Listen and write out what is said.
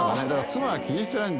妻は気にしてない。